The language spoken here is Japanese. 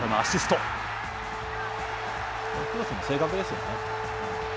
クロスも正確ですよね。